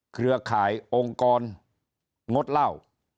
เครือข่ายองค์กรงดเหล้า